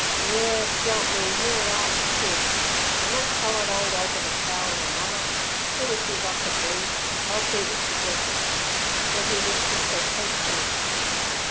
"Yes s'elp me, nea'ly 'arf a quid! An' thet coloured ole 'og of a cow of a mother, soon's she's off ther booze, 'll see thet she gets it!" Then he missed his silk handkerchief.